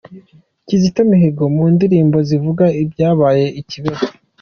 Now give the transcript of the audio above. Kizito Mihigo mu ndirimbo zivuga ibyabaye i Kibeho